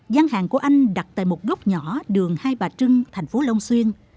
giang hàng của anh đặt tại một góc nhỏ đường hai bà trưng thành phố long xuyên